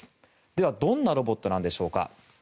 ではどんなロボットなんでしょうか。